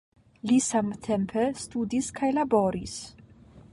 Li samtempe studis kaj laboris.